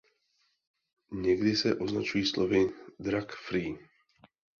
Někdy se označují slovy „drug free“.